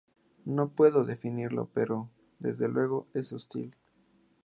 No puedo definirlo pero, desde luego, es hostil.